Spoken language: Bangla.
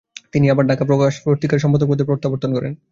তিনি আবার ঢাকা প্রকাশ পত্রিকার সম্পাদক পদে প্রত্যাবর্তন করেন।